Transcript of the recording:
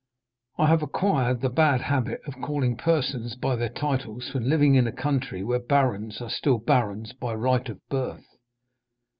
I have acquired the bad habit of calling persons by their titles from living in a country where barons are still barons by right of birth.